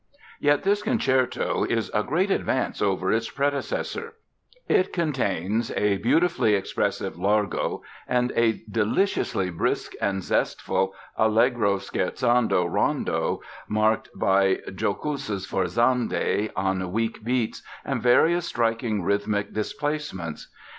Yet this concerto is a great advance over its predecessor; it contains a beautifully expressive Largo and a deliciously brisk and zestful "Allegro scherzando" Rondo, marked by jocose sforzandi on weak beats and various striking rhythmic displacements.